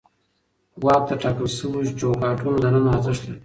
واک د ټاکل شوو چوکاټونو دننه ارزښت لري.